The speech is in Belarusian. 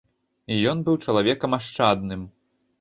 Ён быў чалавекам ашчадным.